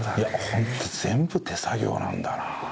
ホント全部手作業なんだな。